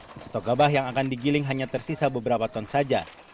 stok gabah yang akan digiling hanya tersisa beberapa ton saja